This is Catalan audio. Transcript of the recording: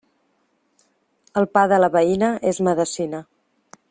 El pa de la veïna és medecina.